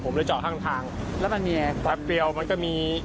ผมเลยจอดข้างทางแล้วมันมีไงแป๊บเดียวมันก็มี